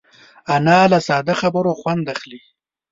انا له ساده خبرو خوند اخلي